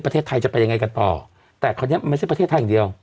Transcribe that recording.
ประเทศไทยจะไปยังไงกันต่อแต่คราวนี้ไม่ใช่ประเทศไทยอย่างเดียว